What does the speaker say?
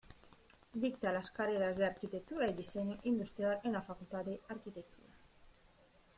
Dicta las carreras de Arquitectura y Diseño Industrial en la "Facultad de Arquitectura".